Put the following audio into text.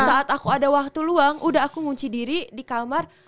saat aku ada waktu luang udah aku ngunci diri di kamar